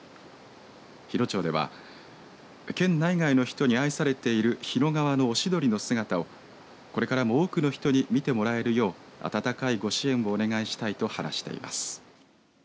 日野町では県内外の人に愛されている日野川のオシドリの姿をこれからも多くの人に見てもらえるよう温かいご支援をお願いしたいと話しています。